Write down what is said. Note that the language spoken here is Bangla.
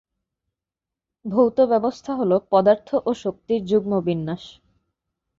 ভৌত ব্যবস্থা হল পদার্থ ও শক্তির যুগ্ম বিন্যাস।